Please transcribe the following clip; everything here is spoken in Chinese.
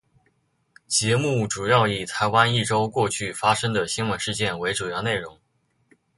节目主要以台湾一周过去发生的新闻事件为主要内容。